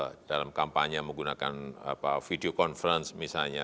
teknologi digital dalam kampanye menggunakan video conference misalnya